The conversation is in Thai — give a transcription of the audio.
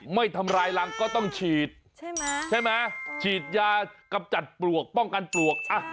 ไม่ทำลายรังก็ต้องฉีดใช่ไหมฉีดยากับจัดปลวกป้องกันปลวก้ามึงได้